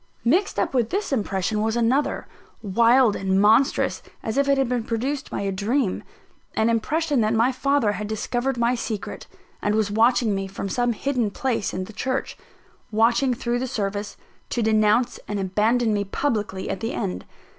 Mixed up with this impression was another, wild and monstrous as if it had been produced by a dream an impression that my father had discovered my secret, and was watching me from some hidden place in the church; watching through the service, to denounce and abandon me publicly at the end.